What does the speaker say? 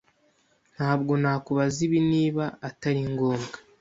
Ntabwo nakubaza ibi niba atari ngombwa.